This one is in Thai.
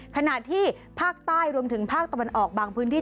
ขณะที่ภาคใต้รวมถึงภาคตะวันออกบางพื้นที่